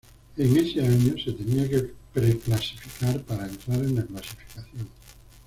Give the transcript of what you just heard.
En ese año, se tenía que pre-clasificar para entrar en la clasificación.